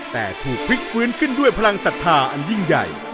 แต่ถูกพลิกฟื้นขึ้นด้วยพลังศรัทธาอันยิ่งใหญ่